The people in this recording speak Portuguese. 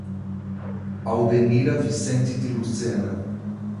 Audenira Vicente de Lucena